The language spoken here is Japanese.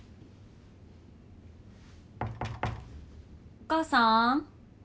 お母さん。